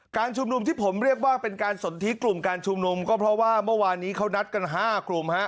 ชุมนุมที่ผมเรียกว่าเป็นการสนทิกลุ่มการชุมนุมก็เพราะว่าเมื่อวานนี้เขานัดกัน๕กลุ่มฮะ